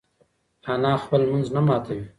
انا خپل لمونځ نه ماتوي.